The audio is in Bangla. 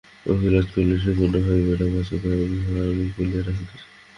রাজলক্ষ্মী কহিলেন, সে কন্যা হইবে না বাছা, তাহা আমি বলিয়া রাখিতেছি।